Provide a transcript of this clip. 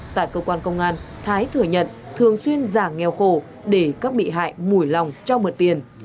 tại cơ quan công an thái thừa nhận thường xuyên giả nghèo khổ để các bị hại mùi lòng cho mượn tiền